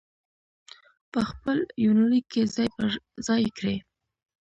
په خپل يونليک کې ځاى په ځاى کړي